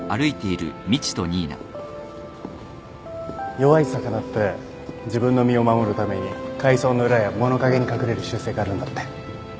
弱い魚って自分の身を守るために海藻の裏や物陰に隠れる習性があるんだって。